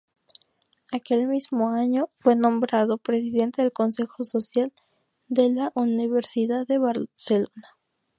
Aquel mismo año fue nombrado presidente del Consejo Social de la Universitat de Barcelona.